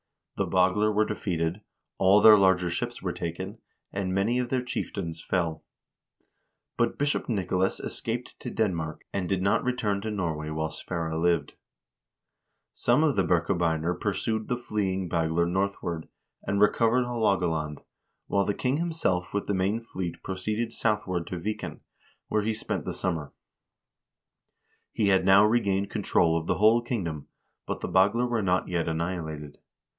The Bagler were defeated, all their larger ships were taken, and many of their chieftains fell ; but Bishop Nicolas escaped to Denmark, and did not return to Norway while Sverre lived. Some of the Birkebeiner pursued the fleeing Bagler northward, and recovered Haalogaland, while the king himself with the main fleet proceeded southward to Viken, where he spent the summer. He had now regained control of the whole kingdom, but the Bagler were not yet annihilated.